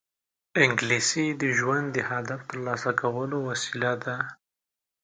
انګلیسي د ژوند د هدف ترلاسه کولو وسیله ده